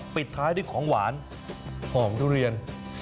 ปิดท้ายด้วยของหวานหอมทุเรียน